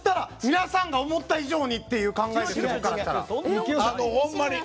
皆さんが思った以上にっていうほんまに。